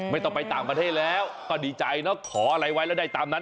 ไม่ต้องไปต่างประเทศแล้วก็ดีใจเนอะขออะไรไว้แล้วได้ตามนั้น